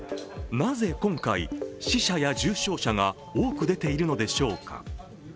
なぜ今回、死者や重症者が多く出ているのでしょうか。